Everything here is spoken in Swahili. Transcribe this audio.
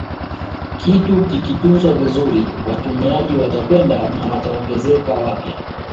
Kitu kikitunzwa vizuri watumiaji watapenda na wataongezeka wapya